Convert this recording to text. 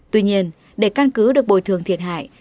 tuy nhiên để căn cứ được bồi thường thiệt hại